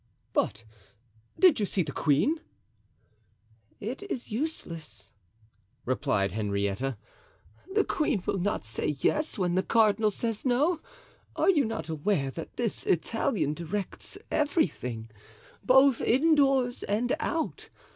"But did you see the queen?" "It is useless," replied Henrietta, "the queen will not say yes when the cardinal says no. Are you not aware that this Italian directs everything, both indoors and out?